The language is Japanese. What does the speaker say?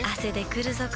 くるぞ？